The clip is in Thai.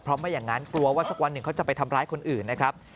เพราะไม่อย่างนั้นกลัวว่าสักวันหนึ่งเขาจะไปทำร้ายคนอื่นนะครับ